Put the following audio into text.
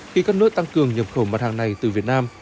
khi các nước tăng cường nhập khẩu mặt hàng này từ việt nam